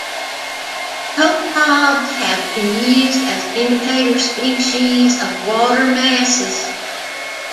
Copepods have been used as indicator-species of water masses.